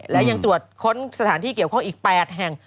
และยังตรวจค้นสถานที่เกี่ยวข้องอีก๘แห่ง